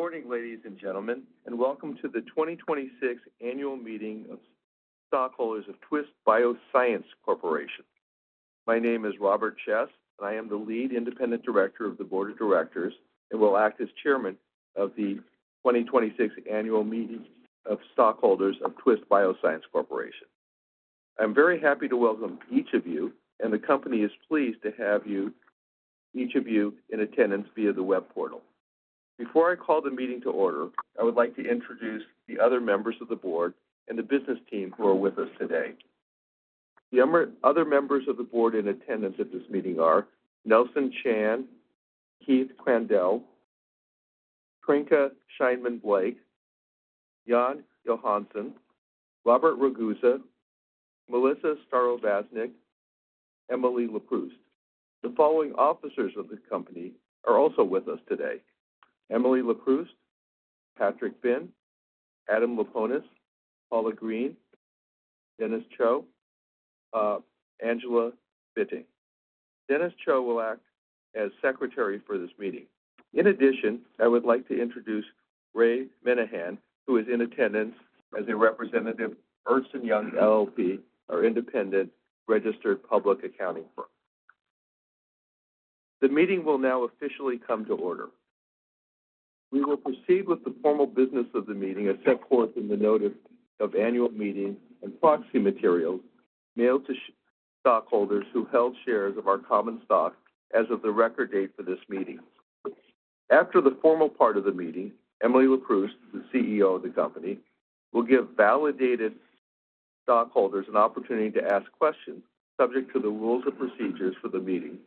Good morning, ladies and gentlemen, and welcome to the 2026 Annual Meeting of Stockholders of Twist Bioscience Corporation. My name is Robert Chess, and I am the Lead Independent Director of the board of directors and will act as chairman of the 2026 annual meeting of stockholders of Twist Bioscience Corporation. I'm very happy to welcome each of you, and the company is pleased to have each of you in attendance via the web portal. Before I call the meeting to order, I would like to introduce the other members of the board and the business team who are with us today. The other members of the board in attendance at this meeting are Nelson Chan, Keith Crandell, Trynka Shineman Blake, Jan Johannessen, Robert Ragusa, Melissa Starovasnik, Emily Leproust. The following officers of the company are also with us today: Emily Leproust, Patrick Finn, Adam Laponis, Paula Green, Dennis Cho, Angela Bitting. Dennis Cho will act as secretary for this meeting. In addition, I would like to introduce Ray Manahan, who is in attendance as a representative. Ernst & Young LLP are independent registered public accounting firm. The meeting will now officially come to order. We will proceed with the formal business of the meeting as set forth in the notice of annual meeting and proxy materials mailed to stockholders who held shares of our common stock as of the record date for this meeting. After the formal part of the meeting, Emily Leproust, the CEO of the company, will give validated stockholders an opportunity to ask questions subject to the rules and procedures for the meeting,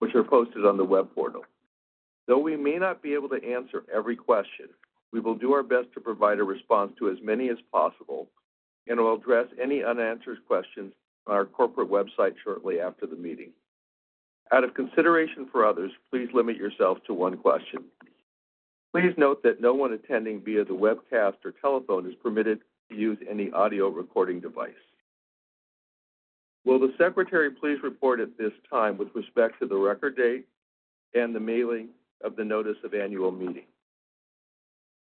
which are posted on the web portal. Though we may not be able to answer every question, we will do our best to provide a response to as many as possible and will address any unanswered questions on our corporate website shortly after the meeting. Out of consideration for others, please limit yourself to one question. Please note that no one attending via the webcast or telephone is permitted to use any audio recording device. Will the secretary please report at this time with respect to the Record Date and the mailing of the Notice of Annual Meeting?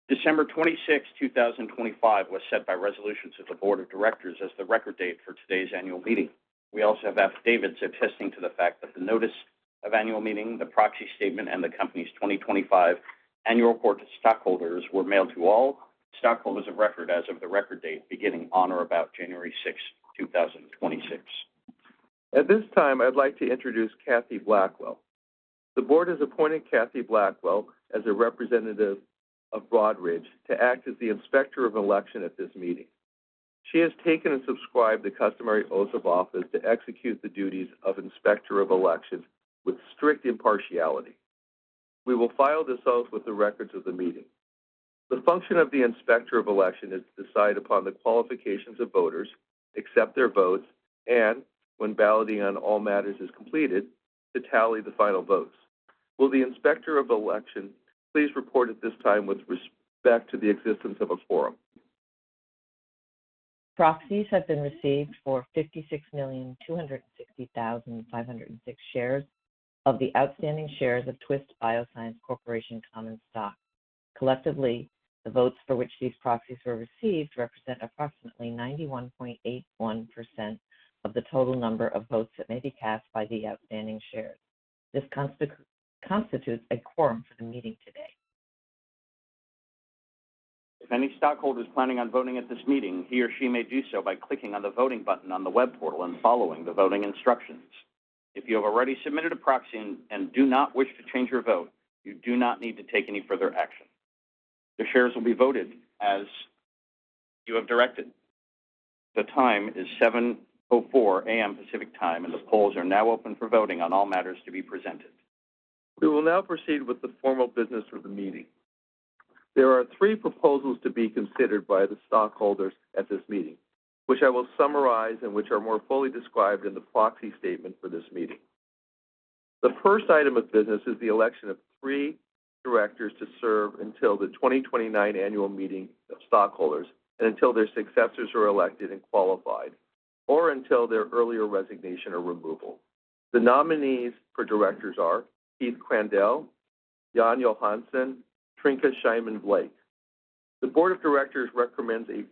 December 26, 2025, was set by resolutions of the Board of Directors as the Record Date for today's Annual Meeting. We also have affidavits attesting to the fact that the Notice of Annual Meeting, the Proxy Statement, and the company's 2025 Annual Report to stockholders were mailed to all stockholders of record as of the Record Date beginning on or about January 6, 2026. At this time, I'd like to introduce Kathy Blackwell. The board has appointed Kathy Blackwell as a representative of Broadridge to act as the Inspector of Election at this meeting. She has taken and subscribed the customary oath of office to execute the duties of Inspector of Election with strict impartiality. We will file this oath with the records of the meeting. The function of the Inspector of Election is to decide upon the qualifications of voters, accept their votes, and, when balloting on all matters is completed, to tally the final votes. Will the Inspector of Election please report at this time with respect to the existence of a quorum? Proxies have been received for 56,260,506 shares of the outstanding shares of Twist Bioscience Corporation common stock. Collectively, the votes for which these proxies were received represent approximately 91.81% of the total number of votes that may be cast by the outstanding shares. This constitutes a quorum for the meeting today. If any stockholder is planning on voting at this meeting, he or she may do so by clicking on the voting button on the web portal and following the voting instructions. If you have already submitted a proxy and do not wish to change your vote, you do not need to take any further action. Your shares will be voted as you have directed. The time is 7:04 A.M. Pacific Time, and the polls are now open for voting on all matters to be presented. We will now proceed with the formal business of the meeting. There are three proposals to be considered by the stockholders at this meeting, which I will summarize and which are more fully described in the proxy statement for this meeting. The first item of business is the election of three directors to serve until the 2029 annual meeting of stockholders and until their successors are elected and qualified, or until their earlier resignation or removal. The nominees for directors are Keith Crandell, Jan Johannessen, Trynka Shineman Blake. The board of directors recommends a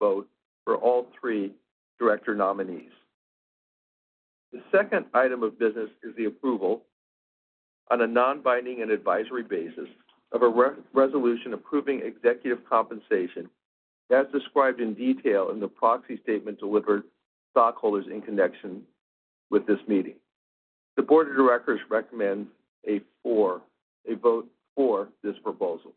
vote for all three director nominees. The second item of business is the approval, on a non-binding and advisory basis, of a resolution approving executive compensation as described in detail in the proxy statement delivered to stockholders in connection with this meeting. The board of directors recommends a vote for this proposal.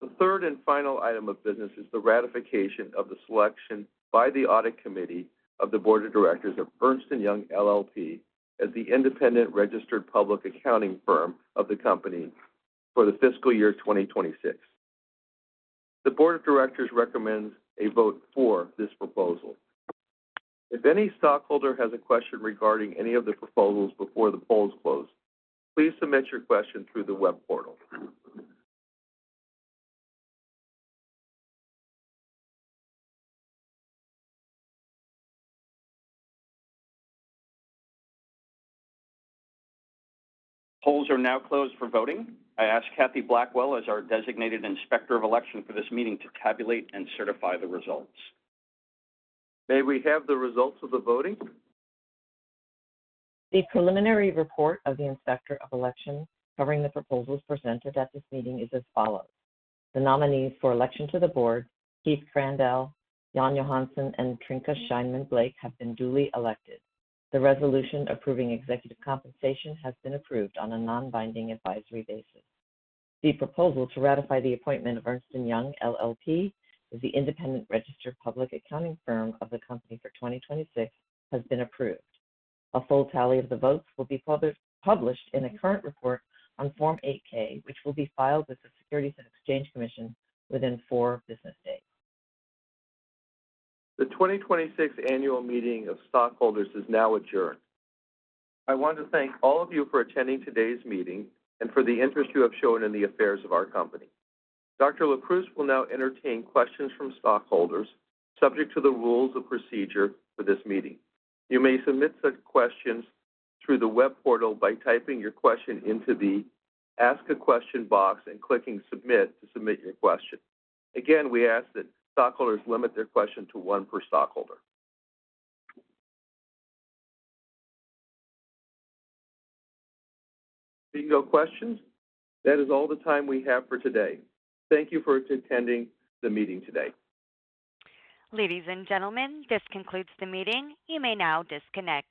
The third and final item of business is the ratification of the selection by the audit committee of the Board of Directors of Ernst & Young LLP as the independent registered public accounting firm of the company for the fiscal year 2026. The Board of Directors recommends a vote for this proposal. If any stockholder has a question regarding any of the proposals before the polls close, please submit your question through the Web Portal. Polls are now closed for voting. I ask Kathy Blackwell, as our designated inspector of election for this meeting, to tabulate and certify the results. May we have the results of the voting? The preliminary report of the inspector of election covering the proposals presented at this meeting is as follows. The nominees for election to the board, Keith Crandell, Jan Johannessen, and Trynka Shineman Blake, have been duly elected. The resolution approving executive compensation has been approved on a non-binding advisory basis. The proposal to ratify the appointment of Ernst & Young LLP as the independent registered public accounting firm of the company for 2026 has been approved. A full tally of the votes will be published in the current report on Form 8-K, which will be filed with the Securities and Exchange Commission within four business days. The 2026 annual meeting of stockholders is now adjourned. I want to thank all of you for attending today's meeting and for the interest you have shown in the affairs of our company. Dr. Leproust will now entertain questions from stockholders subject to the rules of procedure for this meeting. You may submit questions through the web portal by typing your question into the Ask a Question box and clicking Submit to submit your question. Again, we ask that stockholders limit their question to one per stockholder. Seeing no questions, that is all the time we have for today. Thank you for attending the meeting today. Ladies and gentlemen, this concludes the meeting. You may now disconnect.